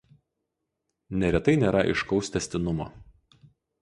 Neretai nėra aiškaus tęstinumo.